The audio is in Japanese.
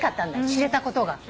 知れたことが。